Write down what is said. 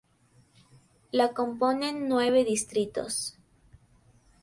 La componen nueve distritos.